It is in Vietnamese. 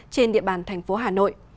trên địa bàn thành phố hà nội